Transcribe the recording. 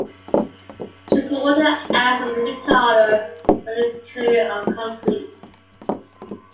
Sugar water acts as a retarder for the curing of concrete.